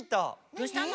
どうしたの？